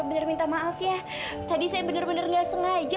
bisa datang ke warung saya